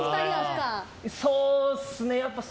そうっすね。